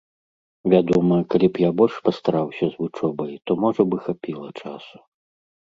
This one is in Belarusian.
Вядома, калі б я больш пастараўся з вучобай, то можа б і хапіла часу.